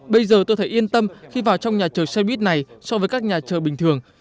bây giờ tôi thấy yên tâm khi vào trong nhà chờ xe buýt này so với các nhà chờ bình thường